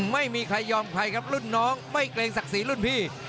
ไม่มีใครยอมใครครับรุ่นน้องไม่เกรงศักดิ์ศรีรุ่นพี่